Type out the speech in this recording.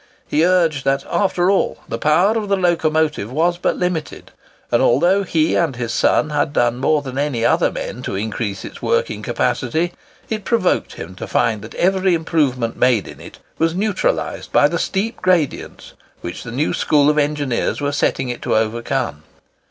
He urged that, after all, the power of the locomotive was but limited; and, although he and his son had done more than any other men to increase its working capacity, it provoked him to find that every improvement made in it was neutralised by the steep gradients which the new school of engineers were setting it to overcome.